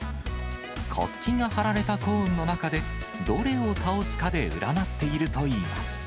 国旗が貼られたコーンの中で、どれを倒すかで占っているといいます。